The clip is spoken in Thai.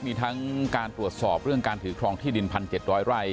มีทั้งการตรวจสอบเรื่องการถือครองที่ดิน๑๗๐๐ไร่